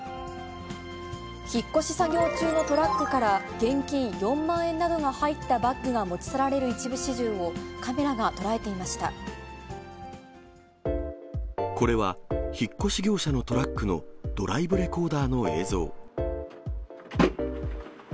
引っ越し作業中のトラックから現金４万円などが入ったバッグが持ち去られる一部始終を、これは、引っ越し業者のトラックのドライブレコーダーの映像。